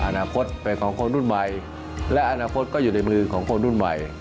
อนาคตเป็นของคนรุ่นใหม่และอนาคตก็อยู่ในมือของคนรุ่นใหม่